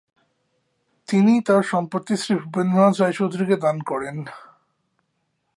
তিনি তার সম্পত্তি শ্রী ভূপেন্দ্রনাথ রায় চৌধুরীকে দান করেন।